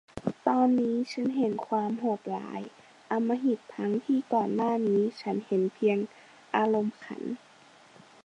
ตอนนี้ฉันเห็นความโหดร้ายอำมหิต ทั้งที่ก่อนหน้านี้ฉันเห็นเพียงอารมณ์ขัน